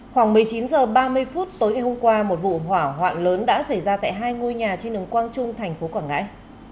khoảng một mươi chín h ba mươi phút tối ngày hôm qua một vụ hỏa hoạn lớn đã xảy ra tại hai ngôi nhà trên đường quang trung thành phố quảng ngãi